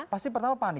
pasti pertama panik